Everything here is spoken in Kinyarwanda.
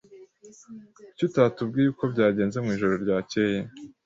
Kuki utatubwiye uko byagenze mwijoro ryakeye?